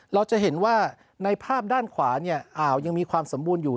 เราจะเห็นว่าในภาพด้านขวาเนี่ยอ่าวยังมีความสมบูรณ์อยู่